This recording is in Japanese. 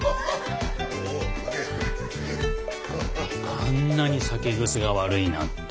あんなに酒癖が悪いなんて。